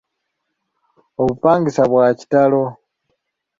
Obupangisa bwa kitalo.